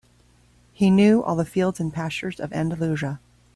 He knew all the fields and pastures of Andalusia.